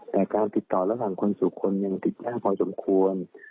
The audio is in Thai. แต่การติดต่อระหว่างคนสู่คนยังติดง่ายพอสมควร